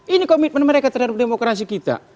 ini komitmen mereka terhadap demokrasi kita